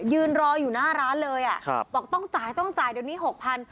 ยืนรออยู่หน้าร้านเลยอ่ะครับบอกต้องจ่ายต้องจ่ายเดี๋ยวนี้หกพัน